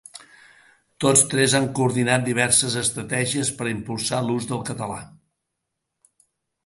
Tots tres han coordinat diverses estratègies per a impulsar l’ús del català.